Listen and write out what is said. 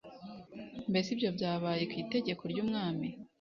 Mbese ibyo byabaye ku itegeko ry umwami